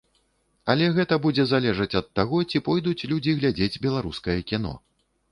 Але гэта будзе залежаць ад таго, ці пойдуць людзі глядзець беларускае кіно.